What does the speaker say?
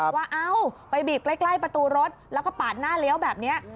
เอ้าไปบีบใกล้ประตูรถแล้วก็ปาดหน้าเลี้ยวแบบนี้